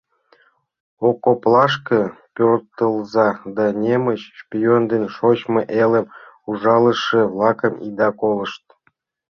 Окоплашке пӧртылза да немыч шпион ден шочмо элым ужалыше-влакым ида колышт.